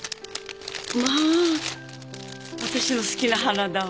まあ私の好きな花だわ。